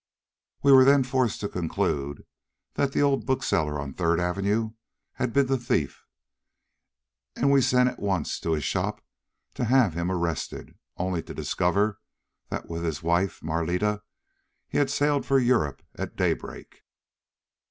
"We were then forced to conclude that the old bookseller on Third Avenue had been the thief, and we sent at once to his shop to have him arrested, only to discover that with his wife, Marlitta, he had sailed for Europe at daybreak.